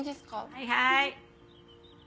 はいはい。